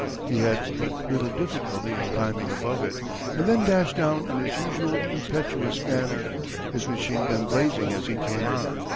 He had but little difficulty in climbing above it, and then dashed down in his usual impetuous manner, his machine gun blazing as he came on.